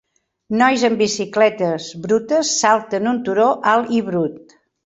Nois en bicicletes brutes salten un turó alt i brut